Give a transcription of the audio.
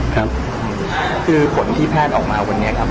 ครับคือผลที่แพทย์ออกมาวันนี้ครับ